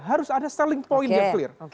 harus ada selling point yang clear